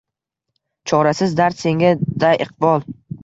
Chorasiz dard, senga-da iqbol!